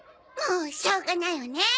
もうしょうがないわね。